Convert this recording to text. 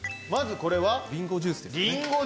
まずこれはリンゴジュース。